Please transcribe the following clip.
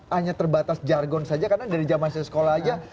hanya terbatas jargon saja karena dari zaman saya sekolah aja